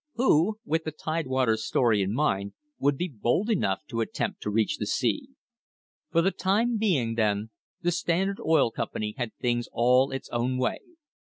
Who, with the Tidewater's story in mind, would be bold enough to attempt to reach the sea? For the time being, then, the Standard Oil Company had things all its own way.